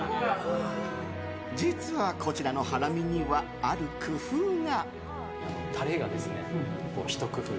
実は、こちらのハラミにはある工夫が。